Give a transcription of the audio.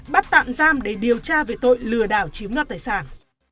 bắt tạm giam để điều tra về tội lừa đảo chiếm đoạt tài sản